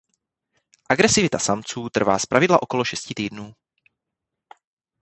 Agresivita samců trvá zpravidla okolo šesti týdnů.